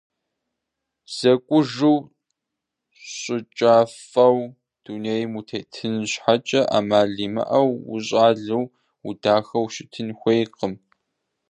ЗэкӀужу, щӀыкӀафӀэу дунейм утетын щхьэкӀэ Ӏэмал имыӀэу ущӀалэу, удахэу ущытын хуейкъым.